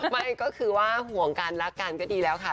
ไม่ก็คือว่าห่วงกันรักกันก็ดีแล้วค่ะ